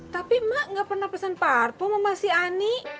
tapi mak gak pernah pesan parto sama si ani